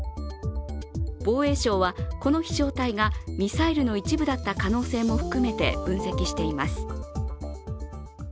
防衛省は、この飛翔体がミサイルの一部だった可能性も含めて分析しています。